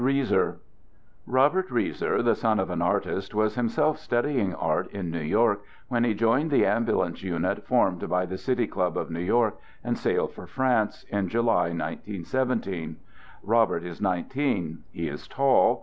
ROBERT REASER Robert Reaser, the son of an artist, was him self studying art in New York, when he joined the ambulance unit formed by the City Club of New York, and sailed for France, in July, 19 17. Robert is nineteen. He is tall.